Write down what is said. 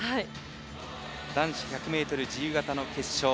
男子１００ｍ自由形の決勝。